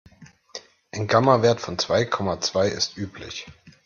Ein Gamma-Wert von zwei Komma zwei ist üblich.